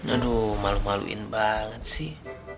aduh malu maluin banget sih